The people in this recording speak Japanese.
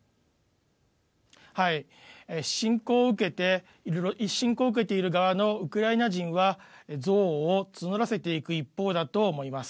侵攻を受けている側のウクライナ人は憎悪を募らせていく一方だと思います。